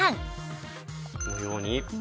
このように。